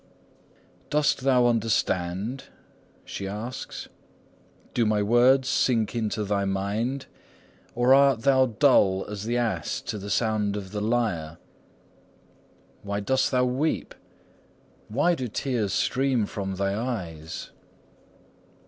IV. 'Dost thou understand?' she asks. Do my words sink into thy mind? Or art thou dull "as the ass to the sound of the lyre"? Why dost thou weep? Why do tears stream from thy eyes?